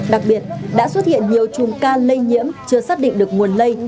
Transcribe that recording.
đặc biệt đã xuất hiện nhiều chùm ca lây nhiễm chưa xác định được nguồn lây